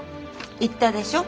言ったでしょ。